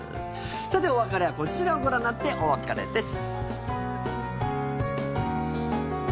さて、お別れはこちらをご覧になってお別れです。